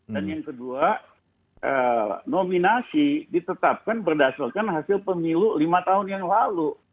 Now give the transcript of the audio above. dan yang kedua nominasi ditetapkan berdasarkan hasil pemilu lima tahun yang lalu